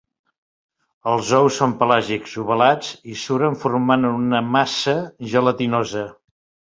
Els ous són pelàgics, ovalats i suren formant una massa gelatinosa.